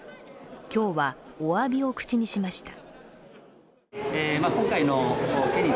今日はおわびを口にしました。